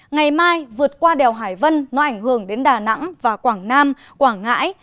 ngày mai vượt qua đèo hải vân nó ảnh hưởng đến đà nẵng và quảng nam quảng ngãi